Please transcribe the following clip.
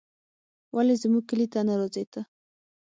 ولې زموږ کلي ته نه راځې ته